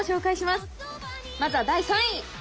まずは第３位！